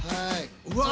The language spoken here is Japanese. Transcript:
うわ。